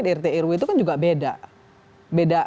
drt irw itu kan juga beda